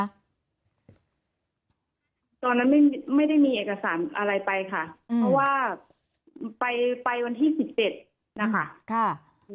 ตอนนั้นไม่ได้มีเอกสารอะไรไปค่ะเพราะว่าไปวันที่๑๗นะคะ